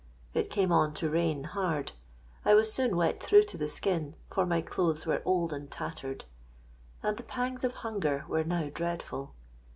It came on to rain hard: I was soon wet through to the skin, for my clothes were old and tattered; and the pangs of hunger were now dreadful.